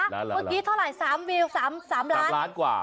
ก่อนอื่นเมื่อกี้เท่าไหร่๓วิว๓ล้านกว่า